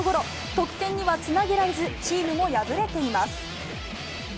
得点にはつなげられず、チームも敗れています。